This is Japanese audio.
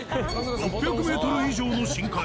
６００ｍ以上の深海。